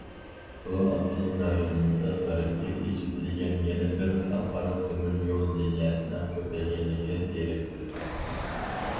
بۇ، ئاپتونوم رايونىمىزدا غەربكە ئېچىۋېتىلگەن يەنە بىر خەلقئارا تۆمۈر يول لىنىيەسىنىڭ كۆپەيگەنلىكىدىن دېرەك بېرىدۇ.